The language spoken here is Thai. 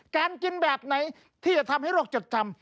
การกินแบบไหนที่จะทำให้โรคจดจำ